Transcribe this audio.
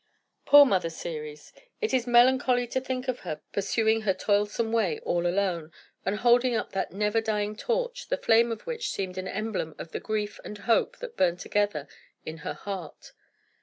Poor Mother Ceres! It is melancholy to think of her, pursuing her toilsome way all alone, and holding up that never dying torch, the flame of which seemed an emblem of the grief and hope that burned together in her heart.